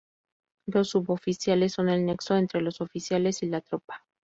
Los Suboficiales son el nexo entre los oficiales y la tropa.